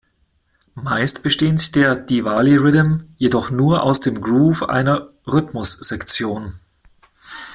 Meist besteht der Diwali-Riddim jedoch nur aus dem Groove einer Rhythmus-Sektion.